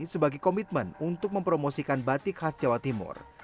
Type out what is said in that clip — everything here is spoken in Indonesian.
sebagai komitmen untuk mempromosikan batik khas jawa timur